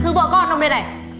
thương vợ con không đây này